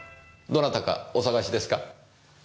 どなたかお捜しですか？